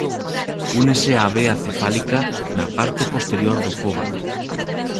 Únese á vea cefálica na parte posterior do cóbado.